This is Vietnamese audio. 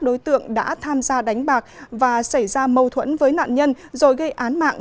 đối tượng đã tham gia đánh bạc và xảy ra mâu thuẫn với nạn nhân rồi gây án mạng